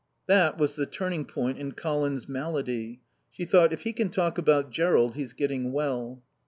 That was the turning point in Colin's malady. She thought: "If he can talk about Jerrold he's getting well."